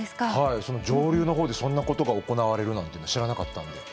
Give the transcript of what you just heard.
上流のほうでそんなことが行われるなんて知らなかったんで。